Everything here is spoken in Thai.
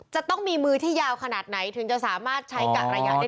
จะต้องมีมือที่ยาวขนาดไหนถึงจะสามารถใช้กะระยะได้